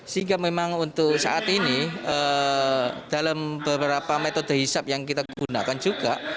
sehingga memang untuk saat ini dalam beberapa metode hisap yang kita gunakan juga